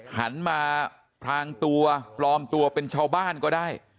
หันมาพรางตัวปลอมตัวเป็นชาวบ้านก็ได้